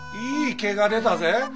いい卦が出たぜ。